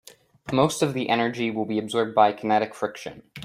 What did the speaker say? Most of the energy will be absorbed by kinetic friction.